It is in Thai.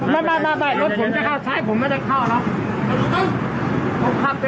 ไม่รถผมจะเข้าซ้ายผมไม่ได้เข้าเนอะ